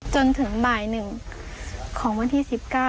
จนถึงบ่าย๑ของวันที่๑๙